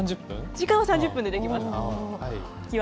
時間は３０分でできます。